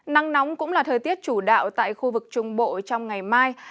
nắng nóng cũng là thời tiết chủ đạo tại khu vực trung bộ trong ngày mai